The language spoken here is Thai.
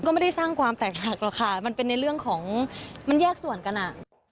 ก็ไม่ได้สร้างความแตกหักหรอกค่ะมันเป็นในเรื่องของมันแยกส่วนกันอ่ะ